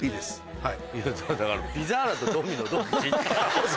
はい。